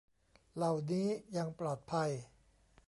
เหล่านี้ยังปลอดภัย